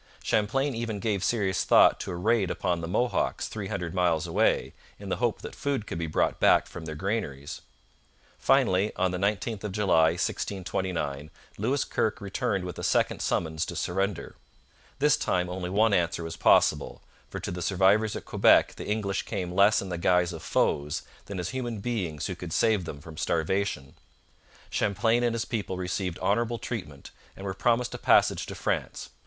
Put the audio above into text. Champlain even gave serious thought to a raid upon the Mohawks, three hundred miles away, in the hope that food could be brought back from their granaries. Finally, on the 19th of July 1629, Lewis Kirke returned with a second summons to surrender. This time only one answer was possible, for to the survivors at Quebec the English came less in the guise of foes than as human beings who could save them from starvation. Champlain and his people received honourable treatment, and were promised a passage to France.